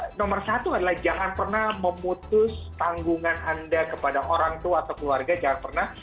jadi nomor satu adalah jangan pernah memutus tanggungan anda kepada orang tua atau keluarga jangan pernah